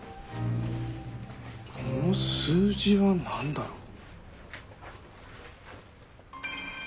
この数字はなんだろう？